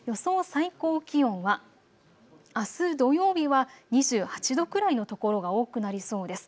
最高気温はあす土曜日は２８度くらいの所が多くなりそうです。